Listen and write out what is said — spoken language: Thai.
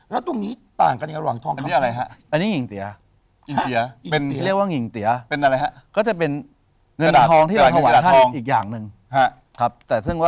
แล้วตรงนี้ต่างกันกับหวังทองคำแท่ง